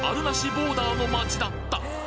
ボーダーの街だった！